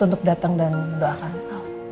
untuk datang dan doakan allah